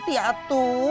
citi biasanya tuh tetep tuh